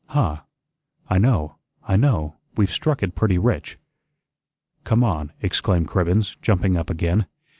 "Huh! I know, I know, we've struck it pretty rich." "Come on," exclaimed Cribbens, jumping up again.